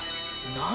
何？